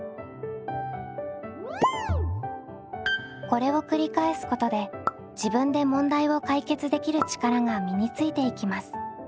これを繰り返すことで自分で問題を解決できる力が身についていきます。